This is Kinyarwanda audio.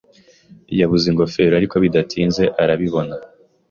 Yabuze ingofero, ariko bidatinze arabibona.